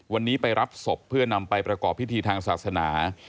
วันนี้ไปรับศพเพื่อนำไปประกอบพิธีทางศาสนา